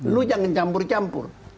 lu jangan campur campur